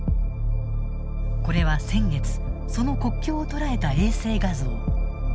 これは先月その国境を捉えた衛星画像。